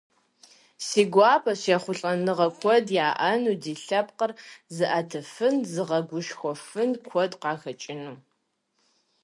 Си гуапэщ ехъулӏэныгъэ куэд яӏэну, ди лъэпкъыр зыӏэтыфын, зыгъэгушхуэфын куэд къахэкӏыну.